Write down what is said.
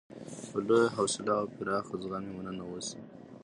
په لویه حوصله او پراخ زغم یې مننه وشي.